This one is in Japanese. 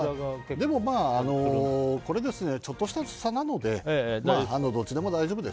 でも、ちょっとした差なのでどっちでも大丈夫です。